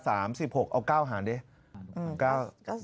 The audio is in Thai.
เอา๙หาดิเอา๙หาดิเอา๔